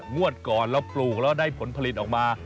งวดก่อนเราปลูกแล้วได้ผลผลิตออกมา